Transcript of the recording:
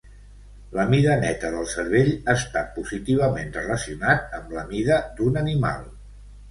La mida neta del cervell està positivament relacionat amb la mida d'un animal.